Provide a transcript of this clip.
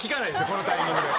このタイミングで。